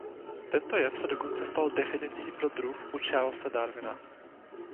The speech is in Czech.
Tento jev se dokonce stal definicí pro druh u Charlese Darwina.